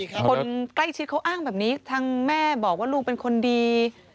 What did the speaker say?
เราไปเยาะนวันนั้นนี่